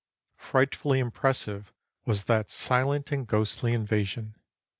Frightfully impressive was that silent and ghostly invasion.